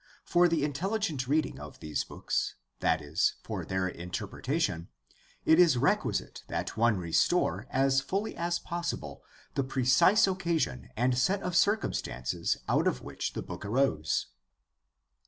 For the intelligent reading of these books, that is, for their interpretation, it is requisite that one restore, as fully as possible, the precise occasion and set of circumstances out of which the book arose.